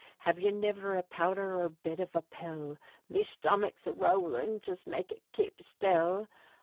Have yez niver a powdher or bit av a pill? Me shtomick's a rowlin'; jist make it kape shtill!"